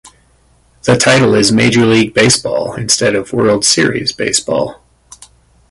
The title is Major League Baseball instead of World Series Baseball.